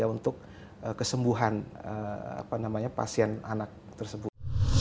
untuk kesembuhan apa namanya pasien anak tersebut